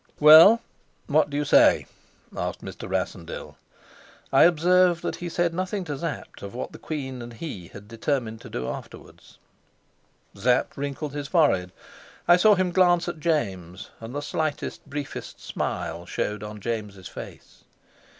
"Well, what do you say?" asked Mr. Rassendyll. I observed that he said nothing to Sapt of what the queen and he had determined to do afterwards. Sapt wrinkled his forehead. I saw him glance at James, and the slightest, briefest smile showed on James's face.